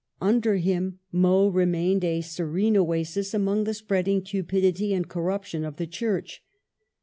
Un der him Meaux remained a serene oasis among the spreading cupidity and corruption of the Church.